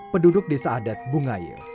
penduduk desa adat bungaya